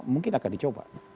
mungkin akan dicoba